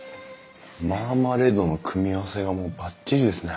マーマレードの組み合わせがもうばっちりですね。